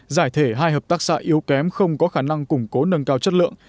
giải thể hai hợp tác xã yếu kém không có khả năng củng cố nâng cao chất lượng